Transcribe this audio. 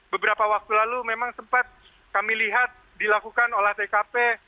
beberapa waktu lalu memang sempat kami lihat dilakukan olah tkp